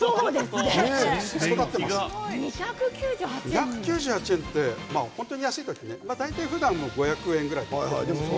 ２９８円って本当に安い時ねでも大体ふだんでも５００円ぐらい。